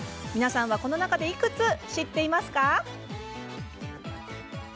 皆さんは、この中でいくつ知っていますか？